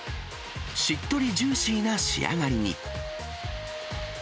しっとりジューシーな仕上がりに。